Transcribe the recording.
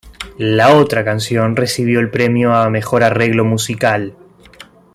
La otra canción recibió el premio a ""Mejor arreglo musical"".